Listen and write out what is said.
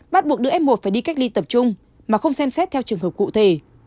bắt buộc đưa f một phải đi cách ly tập trung mà không xem xét theo trường hợp cụ thể